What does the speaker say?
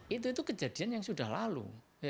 itu itu kejadian yang sudah lalu